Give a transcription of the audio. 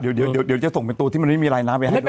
อ๋อเดี๋ยวเดี๋ยวส่งเป็นตัวที่มันไม่มีรายน้ำไป